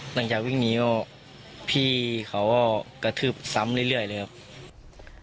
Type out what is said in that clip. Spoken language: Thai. หลังจากวิ่งหนีก็พี่เขาก็กระทืบซ้ำเรื่อยเลยครับ